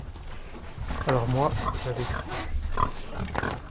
Alors, moi, j'avais cru.